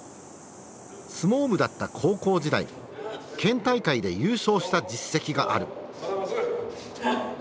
相撲部だった高校時代県大会で優勝した実績がある。